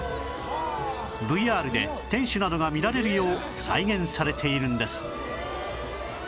ＶＲ で天守などが見られるよう再現されているんです